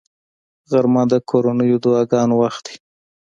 غرمه د کورنیو دعاګانو وخت دی